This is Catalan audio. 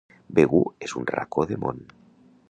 Begur és un racó de món.